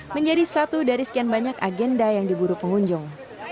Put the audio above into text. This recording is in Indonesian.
menjadi satu dari sekian banyak agenda yang diburu pengunjung